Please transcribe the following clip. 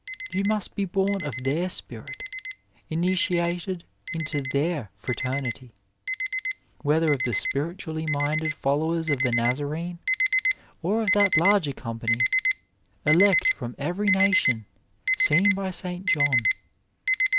You must be born of their spirit, initiated into their fraternity, whether of the spiritually minded followers of the Nazarene or of that larger company, elect from every nation, seen by St. John.